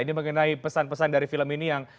ini mengenai pesan pesan dari film ini yang